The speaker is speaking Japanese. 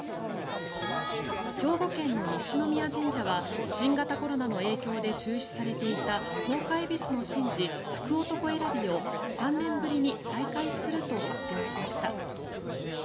兵庫県の西宮神社は新型コロナの影響で中止されていた十日えびすの神事、福男選びを３年ぶりに再開すると発表しました。